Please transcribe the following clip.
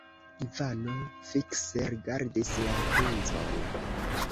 Ivano fikse rigardis la princon.